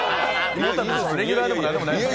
レギュラーでもなんでもないんです。